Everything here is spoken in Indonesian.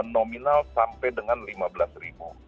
nominal sampai dengan lima belas ribu